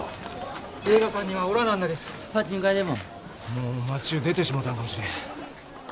もう町ゅう出てしもうたんかもしれん。